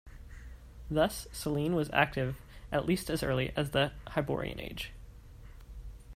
Thus, Selene was active at least as early as the Hyborian age.